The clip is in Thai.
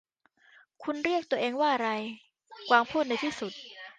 'คุณเรียกตัวเองว่าอะไร ?' กวางพูดในที่สุด